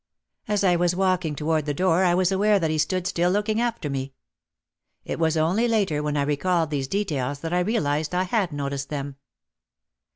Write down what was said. As I was walk ing toward the door I was aware that he stood still look ing after me. It was only later when I recalled these de tails that I realised I had noticed them.